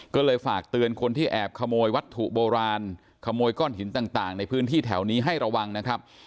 ก็เลยฝากเตือนคนที่แอบขโมยวัตถุโบราณขโมยก้อนหินต่างในพื้นที่แถวนี้ให้ระวังนะครับ